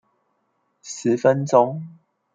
十分鐘